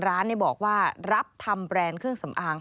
ร้านบอกว่ารับทำแบรนด์เครื่องสำอาง